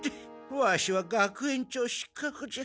ワシは学園長失格じゃ。